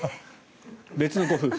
別のご夫婦。